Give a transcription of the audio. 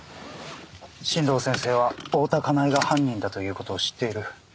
新道先生は大多香苗が犯人だという事を知っている。